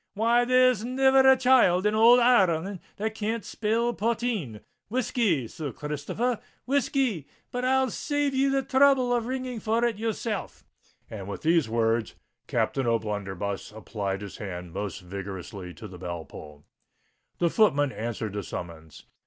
"Why, there's niver a child in ould Ir reland that can't spell potheen. Whiskey, Sir Christopher—whiskey! But I'll save ye the throuble of ringing for it yourself:"—and, with these words, Captain O'Blunderbuss applied his hand most vigorously to the bell pull. The footman answered the summons.